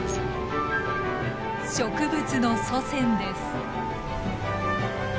植物の祖先です。